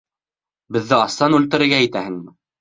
Беҙҙе астан үлтерергә итәһеңме?